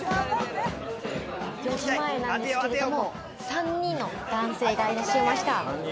４時前なんですけれども、３人の男性がいらっしゃいました。